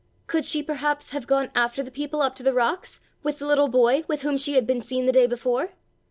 Could she, perhaps, have gone after the people up to the rocks, with the little boy, with whom she had been seen the day before?